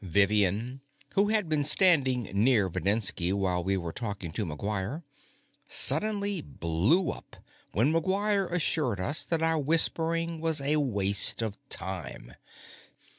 Vivian, who had been standing near Videnski while we were talking to McGuire, suddenly blew up when McGuire assured us that our whispering was a waste of time.